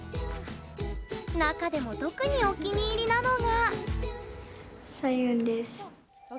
中でも特にお気に入りなのが。